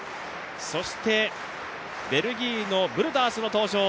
そしてベルギーのブルダースの登場。